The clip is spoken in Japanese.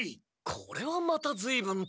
これはまたずいぶんと。